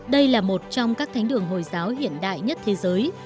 đây là một trong các thánh đường hồi giáo hiện đại nhất thế giới